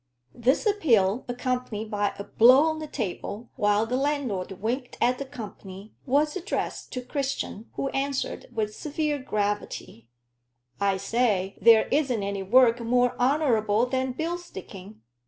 This appeal, accompanied by a blow on the table, while the landlord winked at the company, was addressed to Christian, who answered, with severe gravity "I say there isn't any work more honorable than bill sticking."